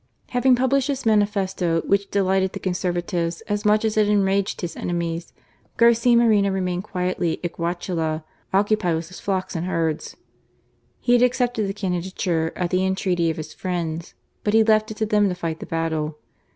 Having published this manifesto, which delighted the Conservatives as much as it enraged his enemies, Garcia Moreno remained quietly at Guachala, occu pied with his flocks and herds. He had accepted the candidature at the entreaty of his friends, but he left it to them to fight the battle.